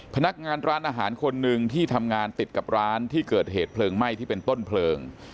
พนักงานร้านอาหารคนหนึ่งที่ทำงานติดกับร้านที่เกิดเหตุเพลิงไหม้ที่เป็นต้นเพลิง